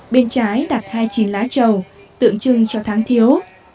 bên trái đặt hai mươi chín lá trầu tượng trưng cho tháng thiếu